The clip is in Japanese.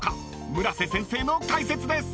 村瀬先生の解説です！］